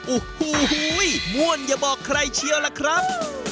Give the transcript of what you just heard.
โอ้โหม่วนอย่าบอกใครเชียวล่ะครับ